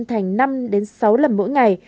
thành năm sáu lần mỗi ngày